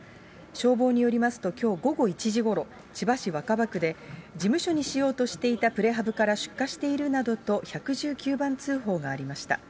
消防によりますと、きょう午後１時ごろ、千葉市若葉区で、事務所にしようとしていたプレハブから出火しているなどと１１９番通報がありました。